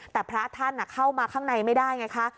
แต่พระท่านเข้ามาข้างในไม่ได้ไงคะ